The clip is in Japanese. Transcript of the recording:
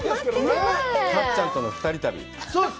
かっちゃんとの二人旅。